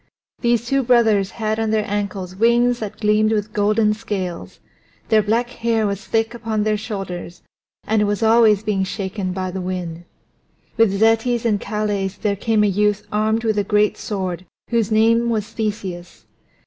These two brothers had on their ankles wings that gleamed with golden scales; their black hair was thick upon their shoulders, and it was always being shaken by the wind. With Zetes and Calais there came a youth armed with a great sword whose name was Theseus.